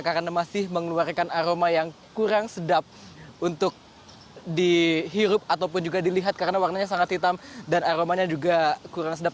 jadi mengeluarkan aroma yang kurang sedap untuk dihirup ataupun juga dilihat karena warnanya sangat hitam dan aromanya juga kurang sedap